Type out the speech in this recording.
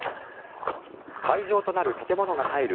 会場となる建物が入る